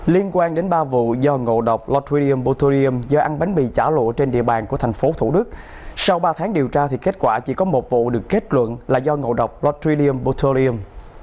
liên quan đến ba vụ do ngộ độc lotrim botulium do ăn bánh mì chả lụa trên địa bàn của thành phố thủ đức sau ba tháng điều tra thì kết quả chỉ có một vụ được kết luận là do ngộ độc lotrylim botum